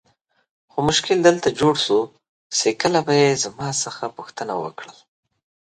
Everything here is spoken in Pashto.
خو مشکل دلته جوړ سو چې کله به یې زما څخه پوښتنه وکړل.